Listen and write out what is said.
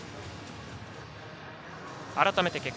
改めて結果。